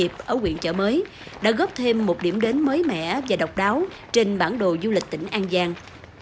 nguyện chợ mới đã góp thêm một điểm đến mới mẻ và độc đáo trên bản đồ du lịch tỉnh an giang